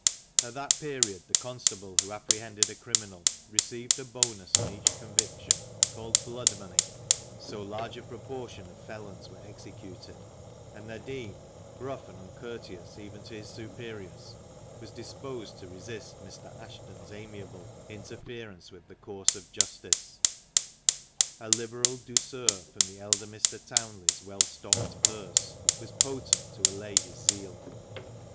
At that period the constable who apprehended a criminal received a bonus on each conviction, called " blood money," so large a proportion of felons were executed ; and Nadin, gruff and uncourteous even to his superiors, was disposed to resist Mr. Ashton's amiable " interference with the course of justice." A liberal douceur from the elder Mr. Townley's well stocked purse was potent to allay his zeal.